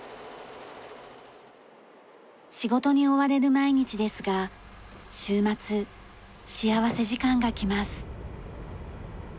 仕事に追われる毎日ですが週末幸福時間が来ます。